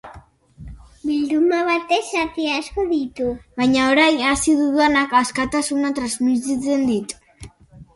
Bilduma batek zati asko ditu, baina orain hasi dudanak askatasuna transmititzen dit.